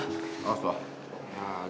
kamu mau cari orang lain